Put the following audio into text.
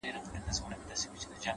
اوس سودايي يمه اوس داسې حرکت کومه!!